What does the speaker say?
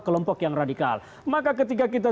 kelompok yang radikal maka ketika kita